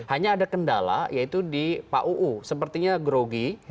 hanya ada kendala yaitu di pauu sepertinya grogi